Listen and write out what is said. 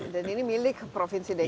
dan ini milik provinsi dki semua